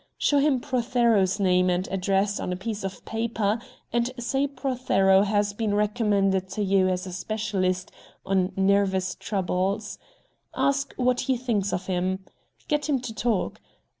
Show him Prothero's name and address on a piece of paper, and say Prothero has been recommended to you as a specialist on nervous troubles. Ask what he thinks of him. Get him to talk.